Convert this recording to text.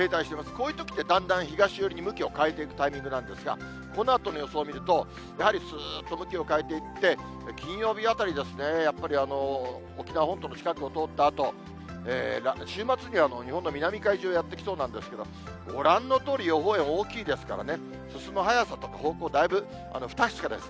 こういうときってだんだん東寄りに向きを変えていくタイミングなんですが、このあとの予想を見ると、やはりすーっと向きを変えていって、金曜日あたりですね、やっぱり沖縄本島の近くを通ったあと、週末には日本の南海上にやって来そうなんですけど、ご覧のとおり、予報円大きいですからね、進む速さとか方向、だいぶ不確かです。